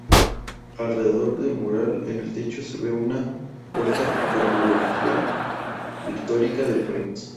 Alrededor del mural en el techo se ve una corta cronología pictórica del país.